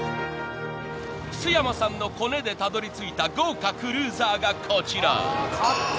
［須山さんのコネでたどりついた豪華クルーザーがこちら］